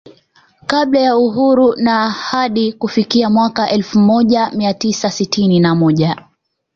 Kabla ya Uhuru na hadi kufikia mwaka elfu moja mia tisa sitini na moja